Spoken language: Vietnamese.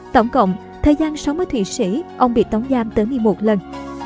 tổng cộng thời gian sống ở thụy sĩ ông bị tống giam tới một mươi một lần